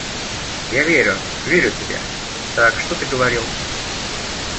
Я верю, верю тебе... Так что ты говорил?